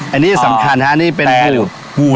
อันนี้สำคัญฮะอ่านี่เป็นแต่หรือวูด